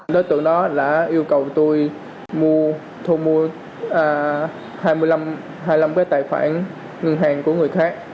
đối tượng đó đã yêu cầu tôi thu mua hai mươi năm cái tài khoản ngân hàng của người khác